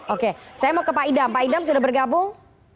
oke saya mau ke pak idam pak idam sudah bergabung